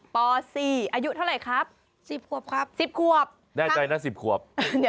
ปสี่ครับ